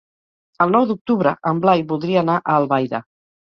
El nou d'octubre en Blai voldria anar a Albaida.